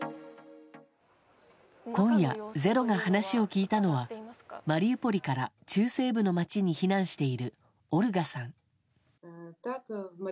今夜、「ｚｅｒｏ」が話を聞いたのはマリウポリから中西部の街に避難しているオルガさん。